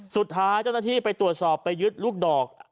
สุดท้ายเจ้าหน้าที่ไปตรวจสอบไปยึดลูกดอก